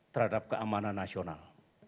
terhadap keamanan nasional